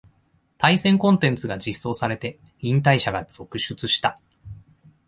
対戦コンテンツが実装されて引退者が続出した